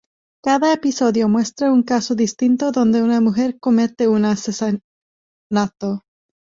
Cada episodio muestra un caso distinto donde una mujer comete un asesinato.